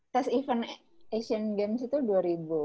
tes event asian games itu dua ribu delapan belas ya